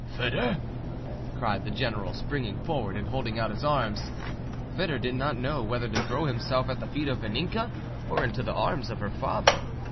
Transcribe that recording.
"Foedor!" cried the general, springing forward and holding out his arms. Foedor did not know whether to throw himself at the feet of Vaninka or into the arms of her father.